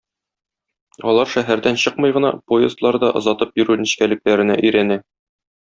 Алар шәһәрдән чыкмый гына, поездларда озатып йөрү нечкәлекләренә өйрәнә.